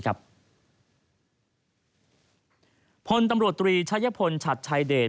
ตำรวจตรีชัยพลฉัดชายเดช